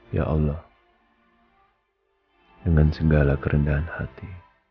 ya allah dengan segala kerendahan hati